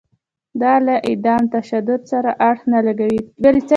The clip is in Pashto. دا له عدم تشدد سره اړخ نه لګوي.